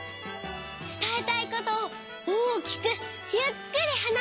つたえたいことを大きくゆっくりはなす。